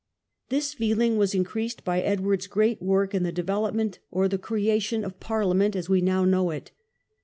This feeling was increased by Edward's great work in the development, or the creation, of Parliament as we .now know it.